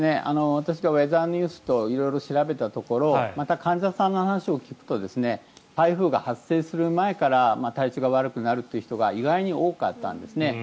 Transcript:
私がウェザーニューズと色々調べたところまた患者さんの話を聞くと台風が発生する前から体調が悪くなる人が意外に多かったんですね。